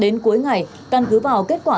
đến cuối ngày căn cứ vào kết quả